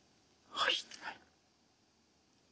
はい。